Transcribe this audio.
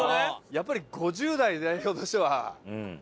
やっぱり５０代代表としては。